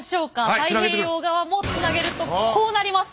太平洋側もつなげるとこうなります。